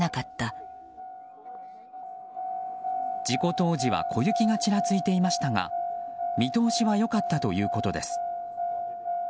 事故当時は小雪がちらついていましたが見通しは良かったということです。